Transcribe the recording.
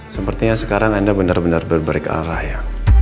sepertinya sekarang anda benar benar berbarek arah ya